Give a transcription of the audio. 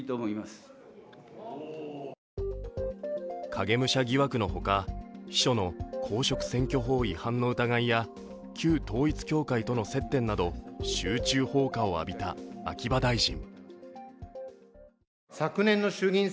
影武者疑惑のほか、秘書の公職選挙法違反の疑いや、旧統一教会との接点など集中砲火を浴びた秋葉大臣。